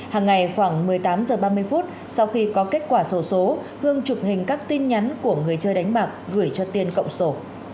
hàng ngày khoảng một mươi tám h ba mươi phút sau khi có kết quả sổ số hương chụp hình các tin nhắn của người chơi đánh bạc gửi cho tiên cộng sổ